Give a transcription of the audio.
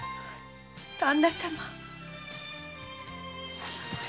旦那様‼